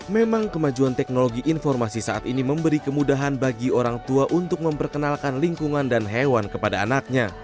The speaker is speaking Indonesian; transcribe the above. memang kemajuan teknologi informasi saat ini memberi kemudahan bagi orang tua untuk memperkenalkan lingkungan dan hewan kepada anaknya